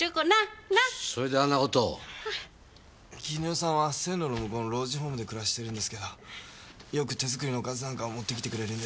絹代さんは線路の向こうの老人ホームで暮らしてるんですけどよく手作りのおかずなんかを持ってきてくれるんです。